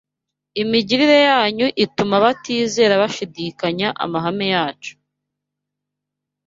Imigirire yanyu ituma abatizera bashidikanya amahame yacu